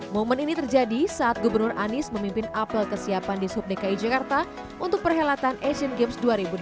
momen ini terjadi saat gubernur anies memimpin apel kesiapan di sub dki jakarta untuk perhelatan asian games dua ribu delapan belas